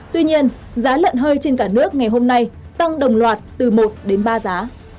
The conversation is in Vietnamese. tuy nhiên giá lợn hơi trên cả nước ngày hôm nay tăng đồng loạt từ một đến ba giá